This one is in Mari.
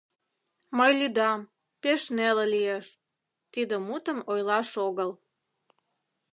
Мый лӱдам, пеш неле лиеш — тиде мутым ойлаш огыл...